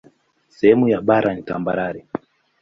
Sehemu ya bara ni tambarare.